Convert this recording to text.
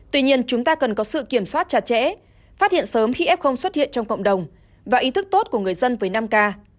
tuy nhiên chúng ta cần có sự kiểm soát chặt chẽ phát hiện sớm khi f xuất hiện trong cộng đồng và ý thức tốt của người dân với nam ca